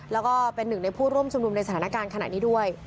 แล้วก็เป็นหนึ่งในผู้ร่วมชุมนุมในสถานการณ์ขณะนี้ด้วย